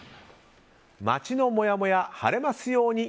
街のもやもや晴れますように！